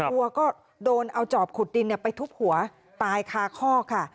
วัวก็โดนเอาจอบขุดดินไปทุบหัวตายคาคอกค่ะ